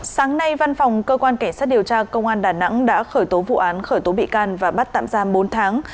sáng nay văn phòng cơ quan cảnh sát điều tra công an đà nẵng đã khởi tố vụ án khởi tố bị can và bắt tạm giam bốn tháng